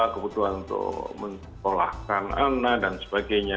kebutuhan untuk menkolahkan anak dan sebagainya